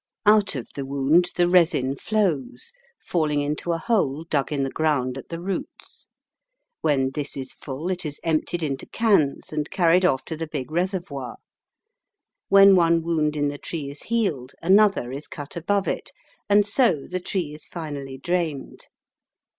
Out of the wound the resin flows, falling into a hole dug in the ground at the roots. When this is full it is emptied into cans and carried off to the big reservoir: when one wound in the tree is healed another is cut above it, and so the tree is finally drained.